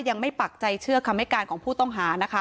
ปักใจเชื่อคำให้การของผู้ต้องหานะคะ